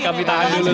kami tahan dulu tadi